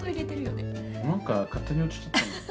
なんか勝手に移っちゃったんだよ。